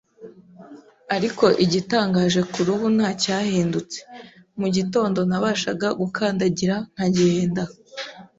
ariko igitangaje ku ruhu ntacyahindutse, mu gitondo nabashaga gukandagira nkagenda.